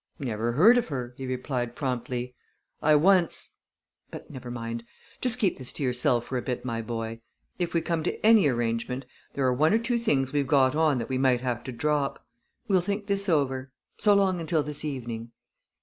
"Never heard of her," he replied promptly. "I once but never mind. Just keep this to yourself for a bit, my boy. If we come to any arrangement there are one or two things we've got on that we might have to drop. We'll think this over. So long until this evening."